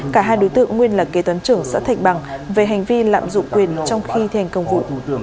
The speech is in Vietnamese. cả hai đối tượng nguyên là kế toán trưởng xã thạch bằng về hành vi lạm dụng quyền trong khi thi hành công vụ